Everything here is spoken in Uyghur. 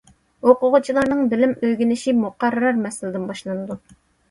ئوقۇغۇچىلارنىڭ بىلىم ئۆگىنىشى مۇقەررەر مەسىلىدىن باشلىنىدۇ.